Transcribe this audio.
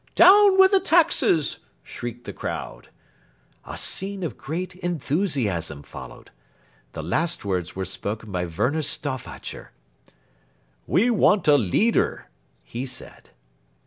"Down with the taxes!" shrieked the crowd. A scene of great enthusiasm followed. The last words were spoken by Werner Stauffacher. "We want a leader," he said.